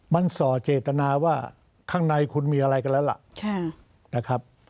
มันสอเจตนาว่าข้างในคุณมีอะไรก็แล้วล่ะ